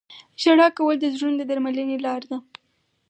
• ژړا کول د زړونو د درملنې لاره ده.